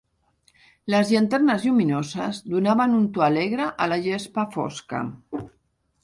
Les llanternes lluminoses donaven un to alegre a la gespa fosca.